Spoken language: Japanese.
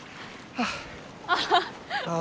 ああ。